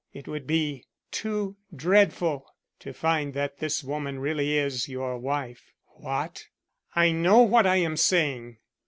It would be too dreadful to find that this woman really is your wife." "What?" "I know what I am saying.